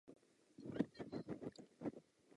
Městskou dopravu obstarávají autobusy.